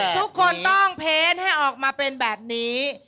ทุกคนต้องเพ้นให้ออกมาเป็นแบบนี้